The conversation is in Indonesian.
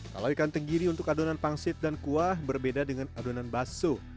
kalau ikan tenggiri untuk adonan pangsit dan kuah berbeda dengan adonan bakso